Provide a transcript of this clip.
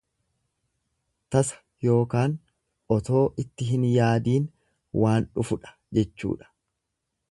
Tasa ykn otoo itti hin yaadiin waan dhufudha jechuudha.